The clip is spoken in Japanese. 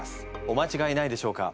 おまちがいないでしょうか？